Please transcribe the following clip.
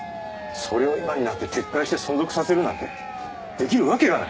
それを今になって撤回して存続させるなんてできるわけがない！